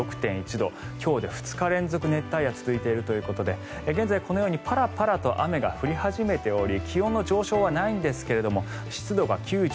今日で２日連続熱帯夜が続いているということで現在、このようにパラパラと雨が降り始めており気温の上昇はないんですが湿度が９１％